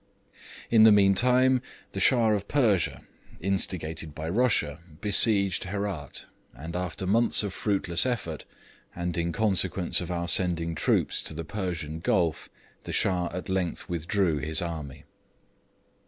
In the meantime the Shah of Persia, instigated by Russia, besieged Herat, but after months of fruitless effort, and in consequence of our sending troops to the Persian Gulf, the Shah at length withdrew his army.